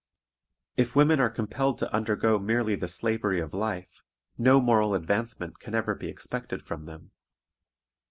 If women are compelled to undergo merely the slavery of life, no moral advancement can ever be expected from them.